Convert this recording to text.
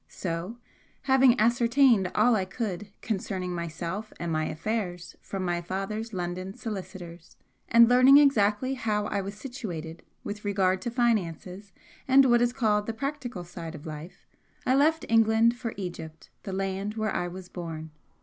So, having ascertained all I could concerning myself and my affairs from my father's London solicitors, and learning exactly how I was situated with regard to finances and what is called the 'practical' side of life, I left England for Egypt, the land where I was born.